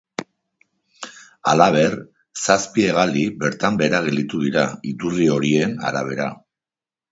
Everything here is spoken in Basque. Halaber, zazpi hegaldi bertan behera gelditu dira, iturri horien arabera.